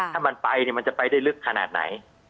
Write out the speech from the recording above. ถ้ามันไปมันจะไปได้ลึกขนาดไหน